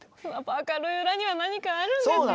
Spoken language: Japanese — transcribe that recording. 明るい裏には何かあるんですよね。